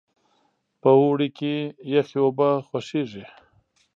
په اوړي کې یخې اوبه خوښیږي.